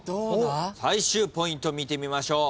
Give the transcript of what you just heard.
最終ポイント見てみましょう。